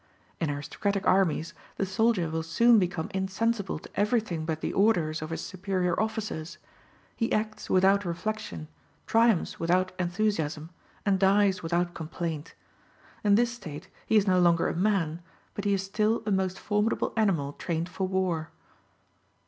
In aristocratic armies the soldier will soon become insensible to everything but the orders of his superior officers; he acts without reflection, triumphs without enthusiasm, and dies without complaint: in this state he is no longer a man, but he is still a most formidable animal trained for war.